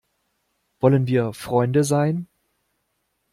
Wollen wir Freunde sein?